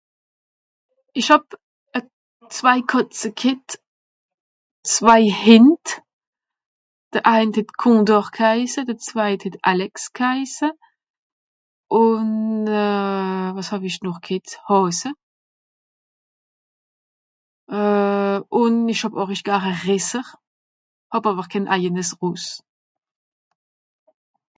Ìch hàb zwei Kàtze ghet, zwei Hìnd de eint het Kondor gheisse de zweit het Alex gheisse, ùn wàs hàw-ich noch ghet? Hààse... ùn ìch hàb ààrisch gare Resser. Hàb àwer ken eienes Ross.